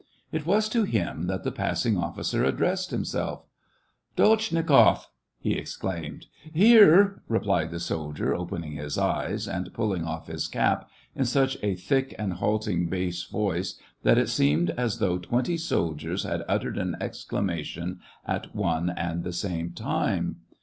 It was to him that the passing officer addressed himself. " Dolzhnikoff !" he exclaimed. " Here," replied the soldier, opening his eyes, and pulling off his cap, in such a thick and halt ing bass voice that it seemed as though twenty soldiers had uttered an exclamation at one and the same time.